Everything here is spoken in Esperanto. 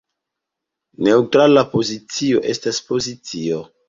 Neǔtrala pozicio estas pozicio.